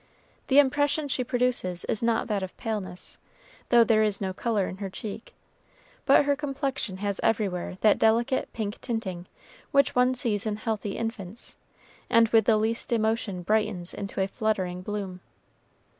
The impression she produces is not that of paleness, though there is no color in her cheek; but her complexion has everywhere that delicate pink tinting which one sees in healthy infants, and with the least emotion brightens into a fluttering bloom.